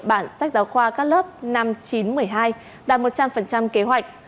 bản sách giáo khoa các lớp năm chín một mươi hai đạt một trăm linh kế hoạch